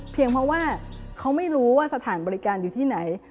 เพราะว่าเขาไม่รู้ว่าสถานบริการอยู่ที่ไหน